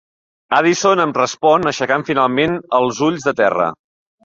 Addison —em respon, aixecant finalment els ulls de terra.